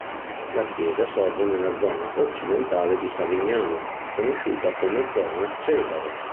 La chiesa sorge nella zona occidentale di Savignano, conosciuta come zona "Cesare".